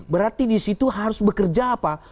berarti di situ harus bekerja apa